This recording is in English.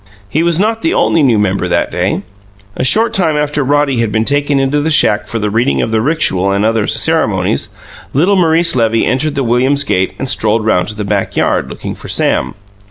He was not the only new member that day. A short time after Roddy had been taken into the shack for the reading of the rixual and other ceremonies, little Maurice Levy entered the Williams' gate and strolled round to the backyard, looking for Sam.